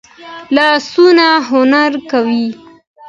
لاسونه هنر کوي